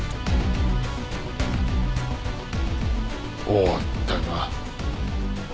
終わったな。